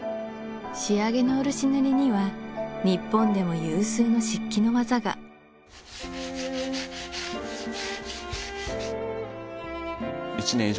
仕上げの漆塗りには日本でも有数の漆器の技がしてますね